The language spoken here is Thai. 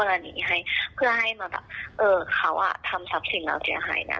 สิ่งนี้เกิดขึ้นแล้วค่ะเราก็ต้องมาเสียประโยชน์จากการใช้รถ